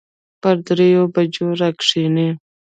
پر دريو بجو راکښېني.